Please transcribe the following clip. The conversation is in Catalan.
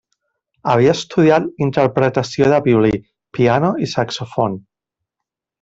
Havia estudiat interpretació de violí, piano i saxofon.